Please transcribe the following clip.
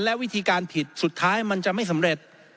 และวิธีการผิดสุดท้ายมันจะไม่สำเร็จ